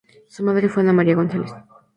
Su madre fue Ana María González.